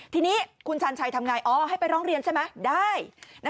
ทีนี้คุณชาญชัยทำไงอ๋อให้ไปร้องเรียนใช่ไหมได้